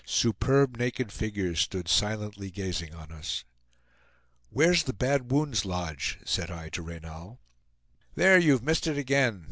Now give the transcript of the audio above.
Superb naked figures stood silently gazing on us. "Where's the Bad Wound's lodge?" said I to Reynal. "There, you've missed it again!